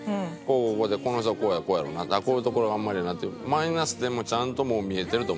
この人はこうやろうなこういうところがあんまりやなっていうマイナス点もちゃんともう見えてると思います